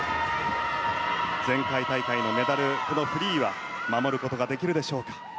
前回大会のメダル、このフリーは守ることができるでしょうか。